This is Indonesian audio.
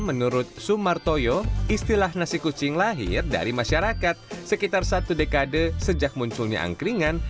menurut sumartoyo istilah nasi kucing lahir dari masyarakat sekitar satu dekade sejak munculnya angkringan